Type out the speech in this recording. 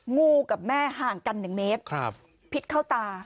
ู่กับแม่ห่างกัน๑เมตรพิษเข้าตา